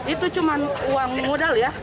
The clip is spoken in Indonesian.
itu cuma uang modal ya